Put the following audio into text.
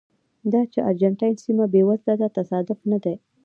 دا چې ارجنټاین سیمه بېوزله ده تصادف نه دی.